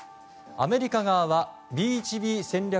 アメリカ側はＢ１Ｂ戦略